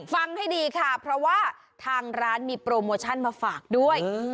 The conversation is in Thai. ฟังให้ดีค่ะเพราะว่าทางร้านมีโปรโมชั่นมาฝากด้วย